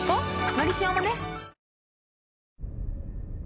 「のりしお」もね